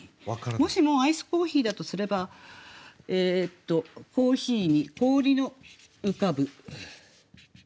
もしもアイスコーヒーだとすれば「珈琲に氷の浮かぶ」。